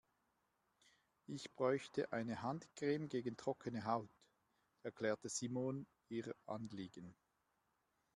Ich bräuchte eine Handcreme gegen trockene Haut, erklärte Simone ihr Anliegen.